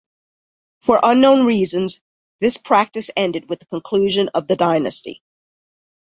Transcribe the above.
For unknown reasons, this practice ended with the conclusion of the dynasty.